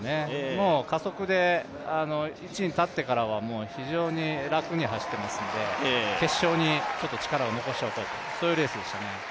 もう加速で１位に立ってからは非常に楽に入っていますので、決勝に力を残そうという走りでしたね。